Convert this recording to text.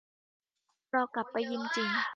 รอกลับไปยิมจริง